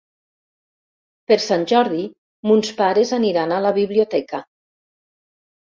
Per Sant Jordi mons pares aniran a la biblioteca.